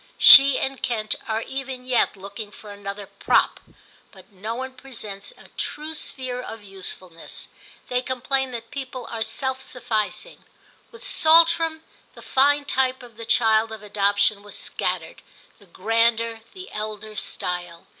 She and Kent are even yet looking for another prop, but no one presents a true sphere of usefulness. They complain that people are self sufficing. With Saltram the fine type of the child of adoption was scattered, the grander, the elder style.